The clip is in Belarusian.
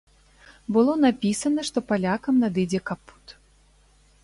Было напісана, што палякам надыдзе капут.